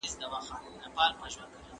ځنګلونه د طبیعي منابعو له جملې څخه مهم دي.